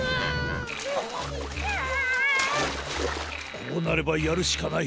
こうなればやるしかない。